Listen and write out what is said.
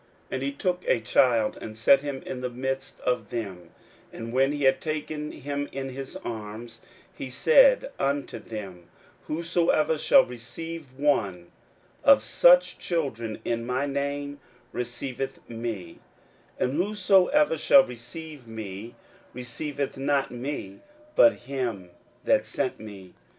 41:009:036 And he took a child, and set him in the midst of them: and when he had taken him in his arms, he said unto them, 41:009:037 Whosoever shall receive one of such children in my name, receiveth me: and whosoever shall receive me, receiveth not me, but him that sent me.